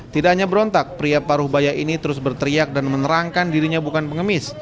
tidak hanya berontak pria paruh bayak ini terus berteriak dan menerangkan dirinya bukan pengemis